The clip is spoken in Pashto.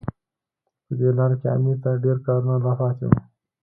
په دې لاره کې امیر ته ډېر کارونه لا پاتې وو.